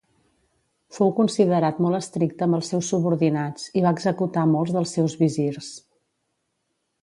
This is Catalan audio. Fou considerat molt estricte amb els seus subordinats, i va executar molts dels seus visirs.